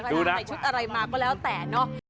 จะใส่ชุดอะไรมาก็แล้วแต่เนาะ